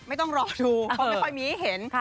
ไม่ต้องรอดูเขาไม่ค่อยมีให้เห็น